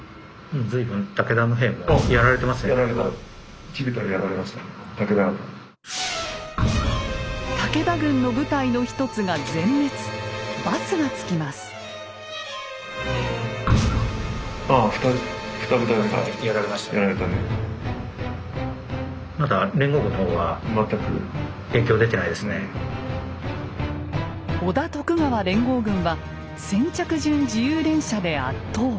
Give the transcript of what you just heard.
織田・徳川連合軍は先着順自由連射で圧倒。